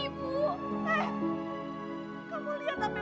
kamu lihat apa yang udah kamu berbuat iya